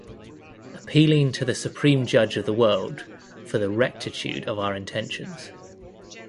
appealing to the Supreme Judge of the world for the rectitude of our intentions